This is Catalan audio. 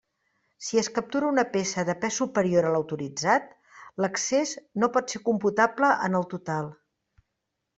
Si es captura una peça de pes superior a l'autoritzat, l'excés no pot ser computable en el total.